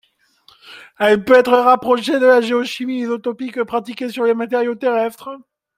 Elle peut être rapprochée de la géochimie isotopique pratiquée sur les matériaux terrestres.